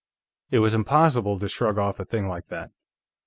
It was impossible to shrug off a thing like that.